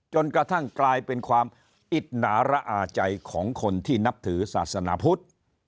จนกระทั่งกลายเป็นความอิดหนาระอาใจของคนที่นับถือศาสนาพุทธ